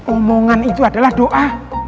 omongan itu adalah doa